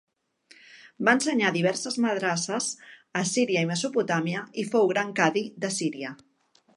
Va ensenyar a diverses madrasses a Síria i Mesopotàmia i fou gran cadi de Síria.